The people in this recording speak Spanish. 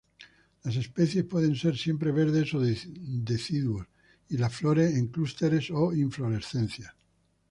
Las especies pueden ser siempreverdes o deciduos, y las flores en clústeres o inflorescencias.